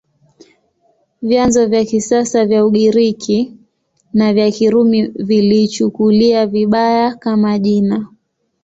Vyanzo vya kisasa vya Ugiriki na vya Kirumi viliichukulia vibaya, kama jina.